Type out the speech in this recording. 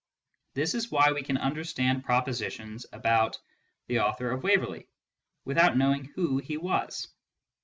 This is why we can understand propositions about " the author of Waverley," without knowing who he was.